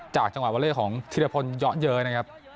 จากจังหวัดวันเล่ของธิริพลเยาะเยอะนะครับ